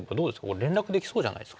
これ連絡できそうじゃないですか？